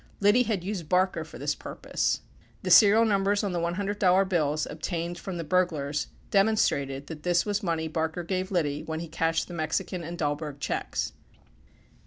Liddy had used Barker for this purpose. 22 The serial numbers on the $100 bills obtained from the burglars demonstrated that this was money Barker gave Liddy when he cashed the Mexican and Dahlberg checks.